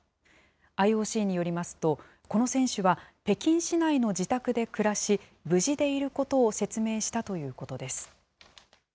ＩＯＣによりますと、この選手は北京市内の自宅で暮らし、無事でいることを説明したということです。